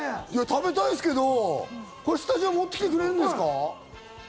食べたいですけど、スタジオ持ってきてくれるんですか？